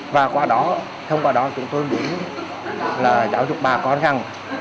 và qua đó thông qua đó chúng tôi biết là giáo dục bà con rằng